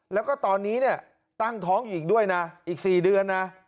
แล้วก็ตอนนี้ตั้งท้องอยู่อีกด้วยนะอีก๔เดือนนะ